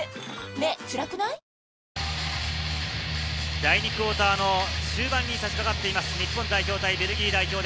第２クオーターの終盤にさしかかっています、日本代表対ベルギー代表。